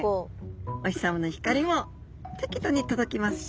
お日様の光も適度に届きますし